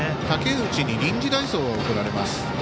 武内に臨時代走が送られます。